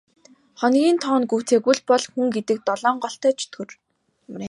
Хоногийн тоо нь гүйцээгүй л бол хүн гэдэг долоон голтой чөтгөр.